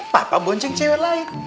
papa bunceng cewek lain